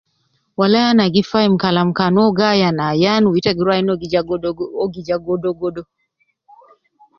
Walayi anagi fahim, kalam uwo gi ayan, ayan, ita guruwa ayinu uwo gi ja godogodo.